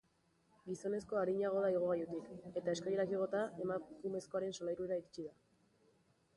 Gizonezkoa arinago da igogailutik, eta eskailerak igota, emakumezkoaren solairura iritsi da.